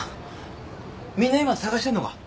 みんな今捜してんのか？